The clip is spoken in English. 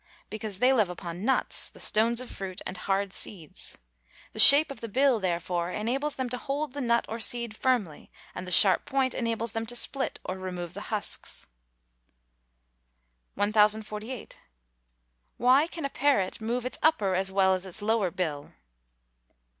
_ Because they live upon nuts, the stones of fruit, and hard seeds. The shape of the bill, therefore, enables them to hold the nut or seed firmly, and the sharp point enables them to split or remove the husks. 1048. _Why can a parrot move its upper as well as its lower bill?